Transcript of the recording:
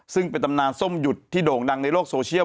ซึ่งเป็นตำนานส้มหยุดที่โด่งดังในโลกโซเชียล